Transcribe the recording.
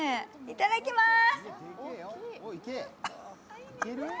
いただきまーす。